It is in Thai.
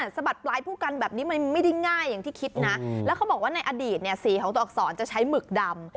สะบัดปลายผู้กันแบบนี้มันไม่ได้ง่ายอย่างที่คิดนะแล้วเขาบอกว่าในอดีตเนี่ยสีของตัวอักษรจะใช้หมึกดำ